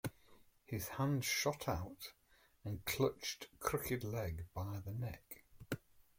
His hand shot out and clutched Crooked-Leg by the neck.